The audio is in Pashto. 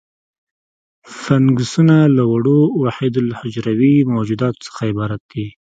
فنګسونه له وړو وحیدالحجروي موجوداتو څخه عبارت دي.